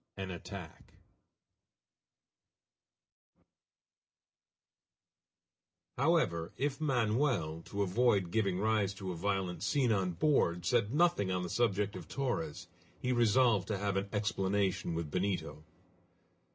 AN ATTACK However, if Manoel, to avoid giving rise to a violent scene on board, said nothing on the subject of Torres, he resolved to have an explanation with Benito.